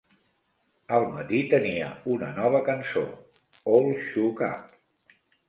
Al matí, tenia una nova cançó, "All Shook Up".